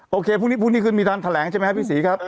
เอ๋อโอเคพรุ่งนี้คือมีทางแสดงใช่ไหมพี่๔ครับ